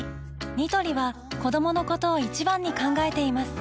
ニトリは子どものことを一番に考えています